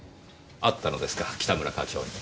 会ったのですか北村課長に。